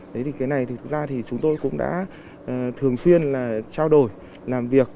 thế thì cái này thực ra thì chúng tôi cũng đã thường xuyên là trao đổi làm việc